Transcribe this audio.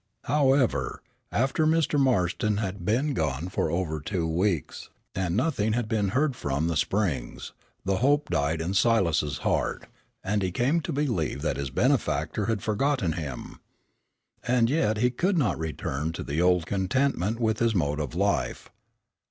However, after Mr. Marston had been gone for over two weeks, and nothing had been heard from the Springs, the hope died in Silas's heart, and he came to believe that his benefactor had forgotten him. And yet he could not return to the old contentment with his mode of life.